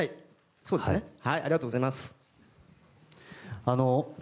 ありがとうございます。